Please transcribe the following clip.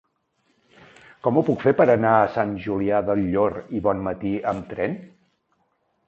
Com ho puc fer per anar a Sant Julià del Llor i Bonmatí amb tren?